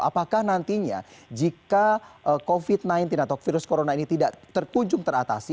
apakah nantinya jika covid sembilan belas atau virus corona ini tidak terkunjung teratasi